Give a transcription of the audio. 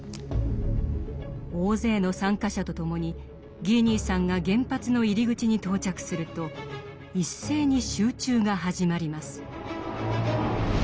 大勢の参加者と共にギー兄さんが原発の入り口に到着すると一斉に「集中」が始まります。